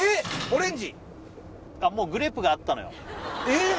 オレンジもうグレープがあったのよえっ？